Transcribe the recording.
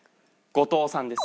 後藤さんです。